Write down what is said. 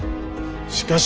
しかし。